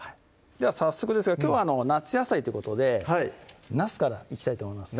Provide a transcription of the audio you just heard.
では早速ですがきょうは夏野菜ということでなすからいきたいと思います